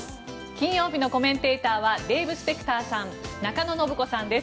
金曜日のコメンテーターはデーブ・スペクターさん中野信子さんです